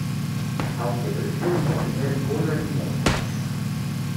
Aunque prefiero no tener cola ni moscas.